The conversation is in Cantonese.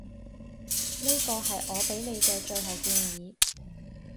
呢個係我畀你嘅最後建議